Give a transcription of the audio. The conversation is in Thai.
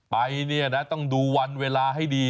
ไปเนี่ยนะต้องดูวันเวลาให้ดี